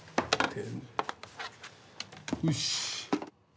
よし！